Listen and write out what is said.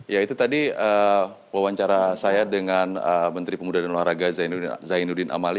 ya itu tadi wawancara saya dengan menteri pemuda dan olahraga zainuddin amali